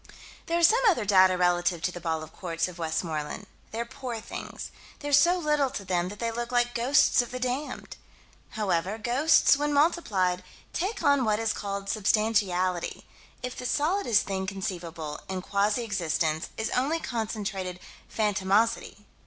There are some other data relative to the ball of quartz of Westmoreland. They're poor things. There's so little to them that they look like ghosts of the damned. However, ghosts, when multiplied, take on what is called substantiality if the solidest thing conceivable, in quasi existence, is only concentrated phantomosity.